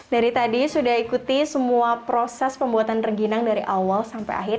dari tadi sudah ikuti semua proses pembuatan rengginang dari awal sampai akhir